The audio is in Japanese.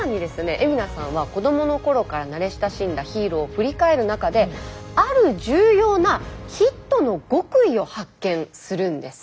海老名さんは子どもの頃から慣れ親しんだヒーローを振り返る中である重要なヒットの極意を発見するんです。